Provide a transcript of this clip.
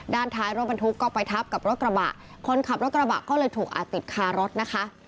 ด้านท้ายรถบรรทุกก็ไปทับกับรถกระบะคนขับรถกระบะก็เลยถูกอาจติดคารถนะคะ